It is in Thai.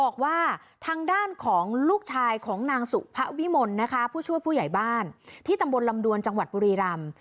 กันนะคะผู้ช่วยผู้ใหญ่บ้านที่ตำบลลำดวนจังหวัดปุรีรำ